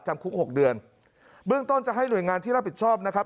คุกหกเดือนเบื้องต้นจะให้หน่วยงานที่รับผิดชอบนะครับ